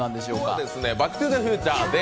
今日は「バック・トゥ・ザ・フューチャー」で